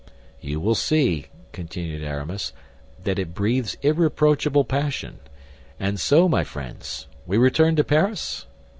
"You will see," continued Aramis, "that it breathes irreproachable passion. And so, my friends, we return to Paris?